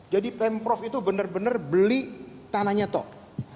jadi pemprov itu benar benar beli tanahnya tok